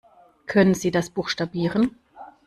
Können Sie das buchstabieren?